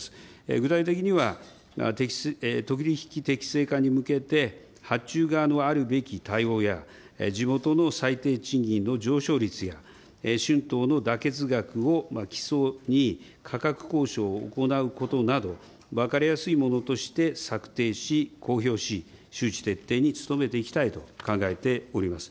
具体的には、取り引き適正化に向けて、発注側のあるべき対応や、地元の最低賃金の上昇率や春闘の妥結額を基礎に価格交渉を行うことなど、分かりやすいものとして策定し、公表し、周知徹底に努めていきたいと考えております。